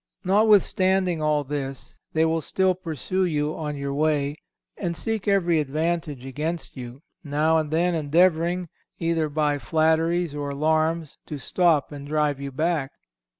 Notwithstanding all this, they will still pursue you on your way and seek every advantage against you, now and then endeavouring, either by flatteries or alarms, to stop and drive you back.